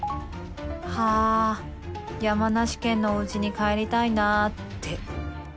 「はぁ山梨県のおうちに帰りたいなぁって」。